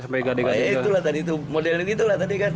pada itu lah tadi modelnya itu lah tadi kan